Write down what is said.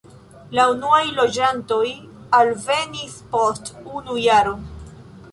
La unuaj loĝantoj alvenis post unu jaro.